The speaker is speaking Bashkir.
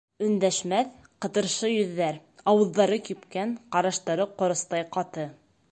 Өндәшмәҫ, ҡытыршы йөҙҙәр, ауыҙҙары кипкән, ҡараштары ҡоростай ҡаты.